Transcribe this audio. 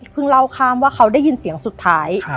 เล่าข้ามว่าเขาได้ยินเสียงสุดท้าย